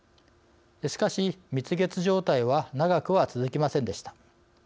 しかし蜜月状態は長くは続きませんでした。